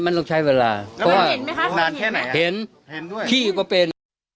มันต้องใช้เวลาเพราะว่าเห็นขี้ก็เป็น